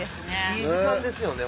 いい時間ですよね